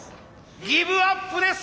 ギブアップです！